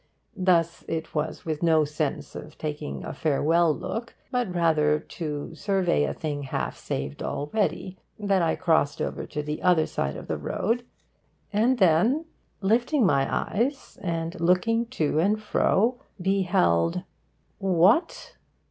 Thus it was with no sense of taking a farewell look, but rather to survey a thing half saved already, that I crossed over to the other side of the road, and then, lifting my eyes, and looking to and fro, beheld what?